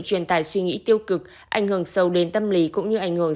truyền tài suy nghĩ tiêu cực ảnh hưởng sâu đến tâm lý cũng như ảnh hưởng